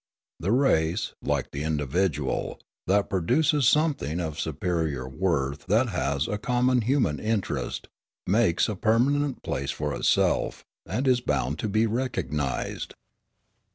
The race, like the individual, that produces something of superior worth that has a common human interest, makes a permanent place for itself, and is bound to be recognised.